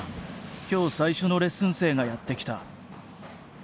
今日最初のレッスン生がやって来た。